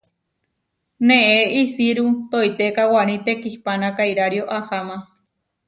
Neé isiru toitéka waní tekihpánaka irario ahama.